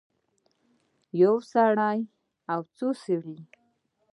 یو سړی او څو سړي